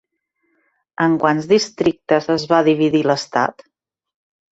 En quants districtes es va dividir l'estat?